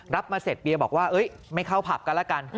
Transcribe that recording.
มาเสร็จเบียบอกว่าไม่เข้าผับกันแล้วกัน